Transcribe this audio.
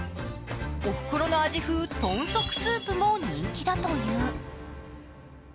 おふくろの味風豚足スープも人気だという。